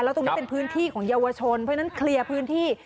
แล้วตรงนี้เป็นพื้นที่ของเยาวชนเพราะฉะนั้นเคลียร์พื้นที่